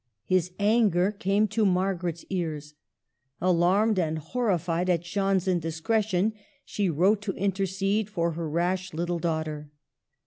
His anger came to Margaret's ears. Alarmed and horrified at Jeanne's indiscretion, she wrote to intercede for her rash little daughter.